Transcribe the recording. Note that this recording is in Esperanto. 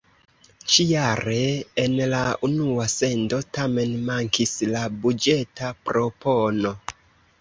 Ĉi-jare en la unua sendo tamen mankis la buĝeta propono.